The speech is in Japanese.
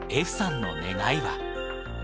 歩さんの願いは。